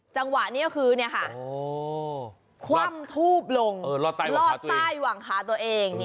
จังหวะนี้ก็คือคว่ำทูบลงลอดใต้หวังขาตัวเอง